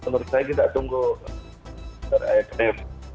menurut saya kita tunggu